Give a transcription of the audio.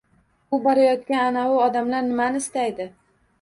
U borayotgan anavi odamlar nimani istaydi?